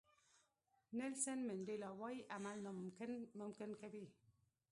نیلسن منډیلا وایي عمل ناممکن ممکن کوي.